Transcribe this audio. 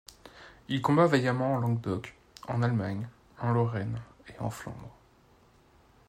Il combat vaillamment en Languedoc, en Allemagne en Lorraine et en Flandre.